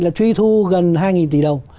là truy thu gần hai tỷ đồng